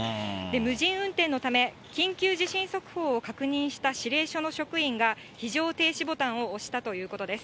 無人運転のため、緊急地震速報を確認した指令所の職員が職員が、非常停止ボタンを押したということです。